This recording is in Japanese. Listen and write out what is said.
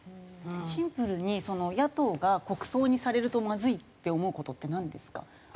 シンプルに野党が国葬にされるとまずいって思う事ってなんですか？